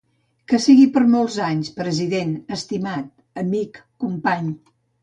Que sigui per molts anys, president, estimat, amic, company.